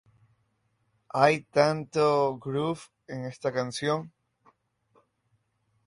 Hay tanto "groove" en esa canción.